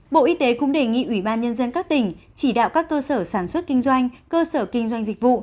bộ y tế cũng đề nghị ủy ban nhân dân các tỉnh chỉ đạo các cơ sở sản xuất kinh doanh cơ sở kinh doanh dịch vụ